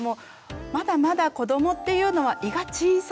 まだまだ子どもっていうのは胃が小さいんですよね。